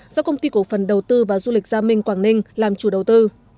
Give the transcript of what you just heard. do công ty cổ phần đầu tư và du lịch gia minh quảng ninh làm chủ đầu tư